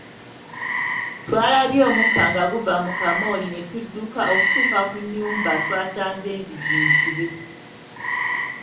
Twalabye omukka nga guva mu bumooli ne tudduka okutuuka ku nnyumba twasanze enzigi nsibe.